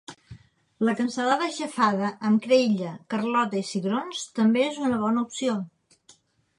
La cansalada xafada amb creïlla, carlota i cigrons també és una bona opció.